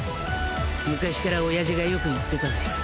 昔から親父がよく言ってたぜ。